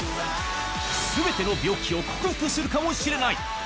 すべての病気を克服するかもしれない。